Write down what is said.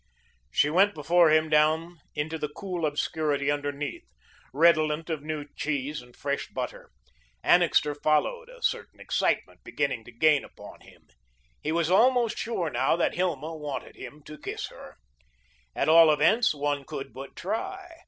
She went before him down into the cool obscurity underneath, redolent of new cheese and fresh butter. Annixter followed, a certain excitement beginning to gain upon him. He was almost sure now that Hilma wanted him to kiss her. At all events, one could but try.